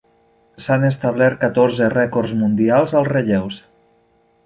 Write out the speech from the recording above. S'han establert catorze rècords mundials als relleus.